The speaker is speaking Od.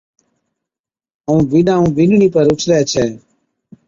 ائُون بِينڏا ائُون بِينڏڙِي پر اُڇلي ڇَي